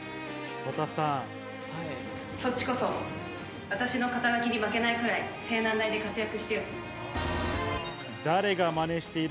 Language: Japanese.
そっちこそ私の肩書きがに負けないくらい西南大で活躍してよ。